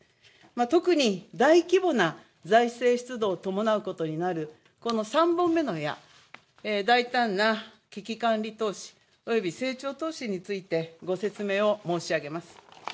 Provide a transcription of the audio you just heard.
特に大規模な財政出動を伴うことになるこの３本目の矢、大胆な危機管理投資および成長投資についてご説明を申し上げます。